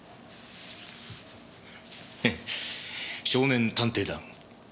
ヘッ少年探偵団。